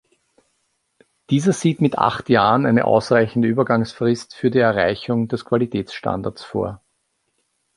Dieser sieht mit acht Jahren eine ausreichende Übergangsfrist für die Erreichung des Qualitätsstandards vor.